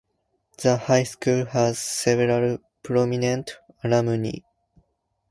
The high school has several prominent alumni.